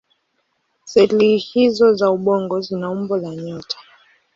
Seli hizO za ubongo zina umbo la nyota.